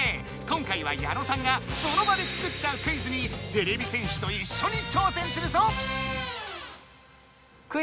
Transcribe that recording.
今回は矢野さんがその場で作っちゃうクイズにてれび戦士といっしょにちょうせんするぞ！